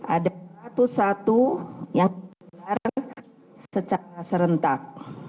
ada satu ratus satu yang digelar secara serentak